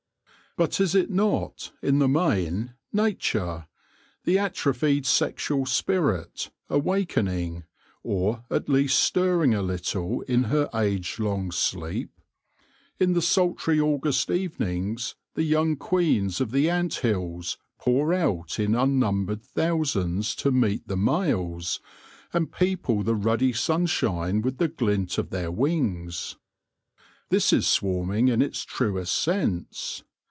But is it not, in the main, Nature — the atrophied sexual spirit — awakening, or at least stirring a little in her age long sleep ? In the sultry August evenings the young queens of the ant hills pour out in unnumbered thousands to meet the males, and people the ruddy sunshine with the glint of their wings. This is swarming in its truest sense.